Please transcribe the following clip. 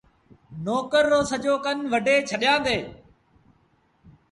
نوڪر رو سڄو ڪن وڍي ڇڏيآندي۔